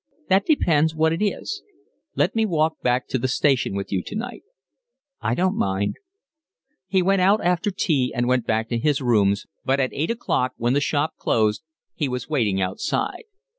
"That depends what it is." "Let me walk back to the station with you tonight." "I don't mind." He went out after tea and went back to his rooms, but at eight o'clock, when the shop closed, he was waiting outside.